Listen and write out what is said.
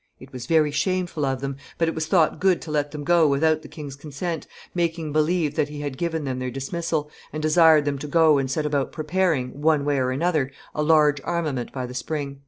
"It was very shameful of them, but it was thought good to let them go without the king's consent, making believe that he had given them their dismissal, and desired them to go and set about preparing, one way or another, a large armament by the spring."